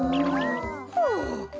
はあ。